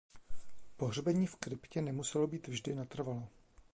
Pohřbení v kryptě nemuselo být vždy natrvalo.